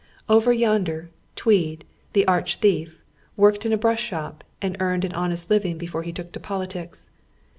Over yonder, Tweed, tlie arcli thief, worked in a brnsli sliop and earned an honest living before lie took to politics.